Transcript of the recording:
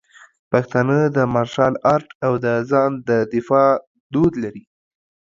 پښتانه د مارشل آرټ او د ځان د دفاع دود لري.